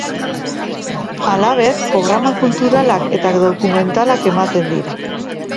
Halaber, programa kulturalak eta dokumentalak ematen dira.